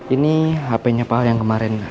ini hapenya pak hal yang kemarin